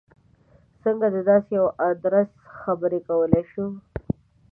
څنګه د داسې یوه ادرس خبره کولای شو.